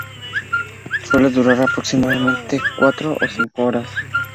Suele durar aproximadamente cuatro o cinco horas.